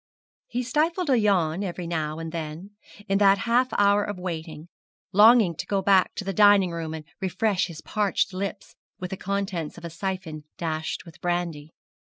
He stifled a yawn every now and then, in that half hour of waiting, longing to go back to the dining room and refresh his parched lips with the contents of a syphon dashed with brandy.